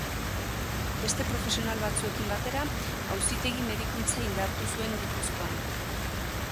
Beste profesional batzuekin batera, auzitegi-medikuntza indartu zuen Gipuzkoan.